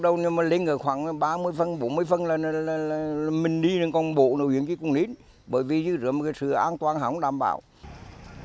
theo người dân của hồ tứ đường trường trinh là đường lê lợi